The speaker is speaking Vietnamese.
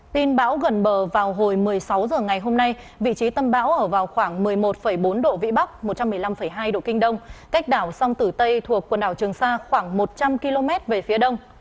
tin bão gần bờ vào hồi một mươi sáu h ngày hôm nay vị trí tâm bão ở vào khoảng một mươi một bốn độ vĩ bắc một trăm một mươi năm hai độ kinh đông cách đảo song tử tây thuộc quần đảo trường sa khoảng một trăm linh km về phía đông